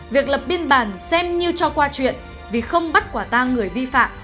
việc lập biên bản xem như cho qua chuyện vì không bắt quả tang người vi phạm